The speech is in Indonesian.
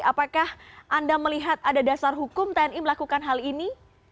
apakah anda melihat ada dasar hukum tni melakukan hal ini